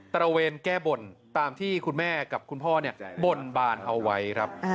ระเวนแก้บนตามที่คุณแม่กับคุณพ่อบนบานเอาไว้ครับ